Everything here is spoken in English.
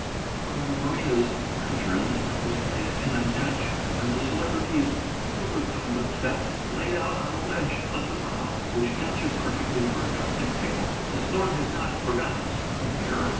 One of the Maria's lanterns was placed in a niche, and the Celebrity's silver toilet set laid out on a ledge of the rock, which answered perfectly for a dressing table. Miss Thorn had not forgotten a small mirror.